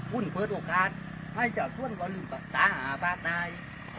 คุณเปิดโอกาสให้เจ้าช่วยบริษัทป่ะท้าย